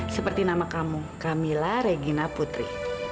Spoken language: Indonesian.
seperti nama kamu camilla regina putri